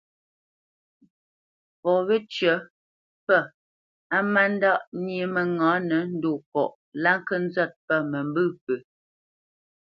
Fɔ wə́cyə pə̂ á má ndáʼ nyé mə́ŋǎnə ndo kɔʼ lá kə nzə̂t pə̂ məmbə̂ pə.